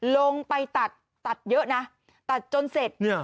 ลงไปตัดตัดเยอะนะตัดจนเสร็จ